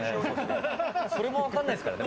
それも分からないですからね。